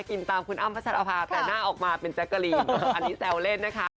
อินตามคุณอ้ำพัชรภาแต่หน้าออกมาเป็นแจ๊กกะลีนอันนี้แซวเล่นนะคะ